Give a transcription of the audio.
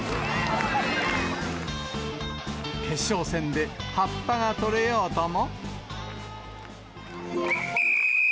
決勝戦で葉っぱが取れようとも。